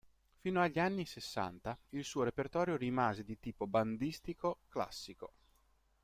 Fino agli anni sessanta il suo repertorio rimase di tipo bandistico classico.